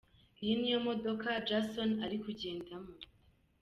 Iyi niyo Modoka Jason ari kugendamo.